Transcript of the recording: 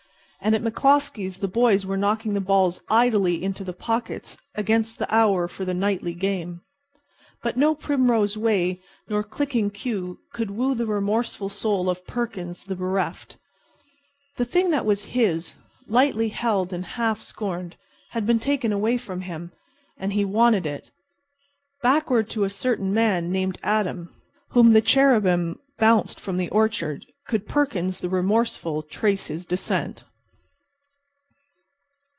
And at McCloskey's the boys were knocking the balls idly into the pockets against the hour for the nightly game. But no primrose way nor clicking cue could woo the remorseful soul of Perkins the bereft. The thing that was his, lightly held and half scorned, had been taken away from him, and he wanted it. Backward to a certain man named Adam, whom the cherubim bounced from the orchard, could Perkins, the remorseful, trace his descent.